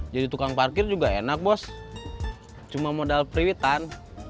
jadi tukang parkir juga enak bos cuma modal periwitan